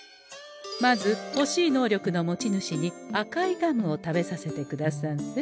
まずほしい能力の持ち主に赤いガムを食べさせてくださんせ。